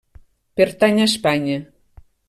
Pertany a Espanya.